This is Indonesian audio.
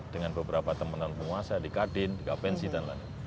dengan beberapa teman penguasa di kadin di kapensi dan lainnya